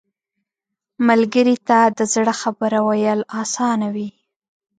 ملګری ته د زړه خبرې ویل اسانه وي